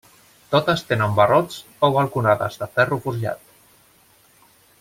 Totes tenen barrots o balconades de ferro forjat.